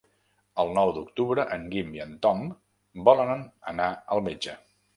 El nou d'octubre en Guim i en Tom volen anar al metge.